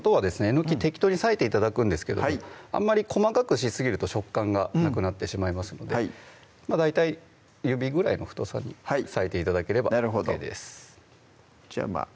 えのき適当に割いて頂くんですけどあんまり細かくしすぎると食感がなくなってしまいますので大体指ぐらいの太さに割いて頂ければＯＫですじゃあ